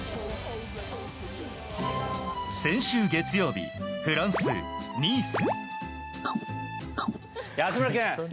先週月曜日、フランス・ニース。